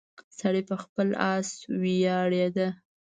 سړی په خپل اس ویاړیده.